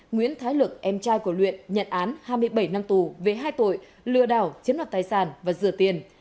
nguyễn thái lực em trai của luyện nhận án hai mươi bảy năm tù về hai tội lừa đảo chiếm đoạt tài sản và rửa tiền